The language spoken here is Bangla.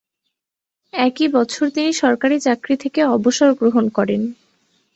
একই বছর তিনি সরকারি চাকরি থেকে অবসর গ্রহণ করেন।